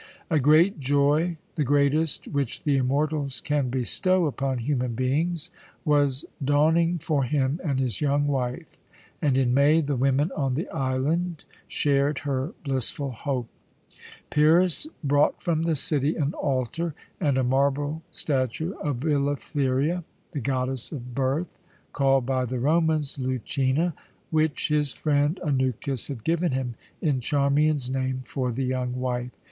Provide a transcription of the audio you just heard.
A great joy the greatest which the immortals can bestow upon human beings was dawning for him and his young wife, and in May the women on the island shared her blissful hope. Pyrrhus brought from the city an altar and a marble statue of Ilythyia, the Goddess of Birth, called by the Romans Lucina, which his friend Anukis had given him, in Charmian's name, for the young wife.